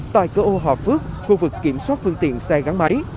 tại cửa ô hòa phước khu vực kiểm soát phương tiện xe gắn máy